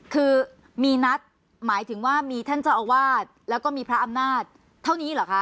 คือมีนัดหมายถึงว่ามีท่านเจ้าอาวาสแล้วก็มีพระอำนาจเท่านี้เหรอคะ